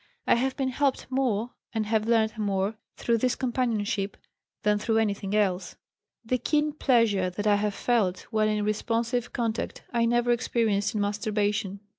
I have been helped more, and have learned more, through this companionship, than through anything else. The keen pleasure that I have felt when in responsive contact I never experienced in masturbation.